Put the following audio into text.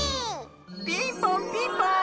ピンポンピンポーン！